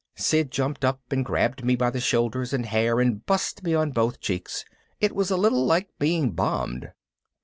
Sid jumped up and grabbed me by the shoulders and hair and bussed me on both cheeks. It was a little like being bombed.